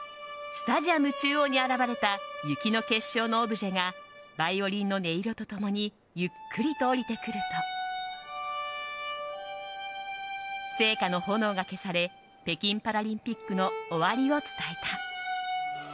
スタジアム中央に現れた雪の結晶のオブジェがバイオリンの音色と共にゆっくりと下りてくると聖火の炎が消され北京パラリンピックの終わりを伝えた。